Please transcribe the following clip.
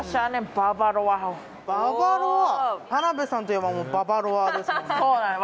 ババロア田辺さんといえばもうババロアですもんね